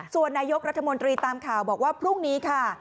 ส่วนนายกรัฐมนตรีตามข่าวบอกว่าพรุ่งนี้ค่ะ